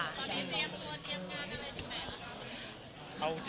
ตอนนี้เตรียมตัวเตรียมงานอะไรจริงนะครับ